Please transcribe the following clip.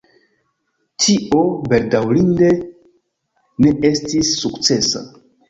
Tio bedaŭrinde ne estis sukcesa.